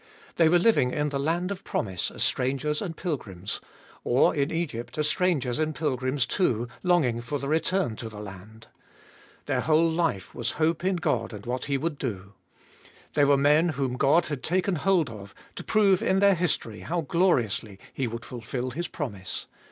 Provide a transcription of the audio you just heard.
They were living in the land of promise as strangers and pilgrims, or in Egypt as strangers and pilgrims too, longing for the return to the land. Their whole life was hope in God Iboliest of ail 455 and what He would do. They were men whom God had taken hold of, to prove in their history how gloriously He would fulfil His promise.